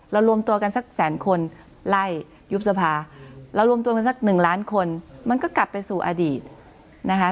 รวมตัวกันสักแสนคนไล่ยุบสภาเรารวมตัวกันสักหนึ่งล้านคนมันก็กลับไปสู่อดีตนะคะ